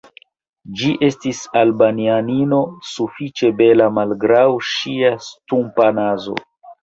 Ĝi estis Albanianino sufiĉe bela, malgraŭ ŝia stumpa nazo.